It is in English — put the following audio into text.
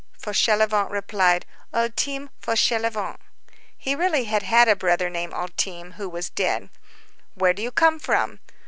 Fauchelevent replied:— "Ultime Fauchelevent." He really had had a brother named Ultime, who was dead. "Where do you come from?"